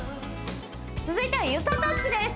続いては床タッチです